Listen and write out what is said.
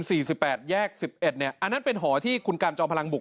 เนี่ยอันนั้นเป็นหอที่คุณกัลจะเอาพลังบุก